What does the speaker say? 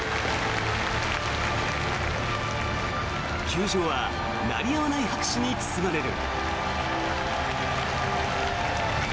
球場は鳴りやまない拍手に包まれる。